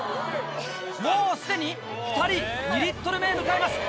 もうすでに２人２リットル目へ向かいます。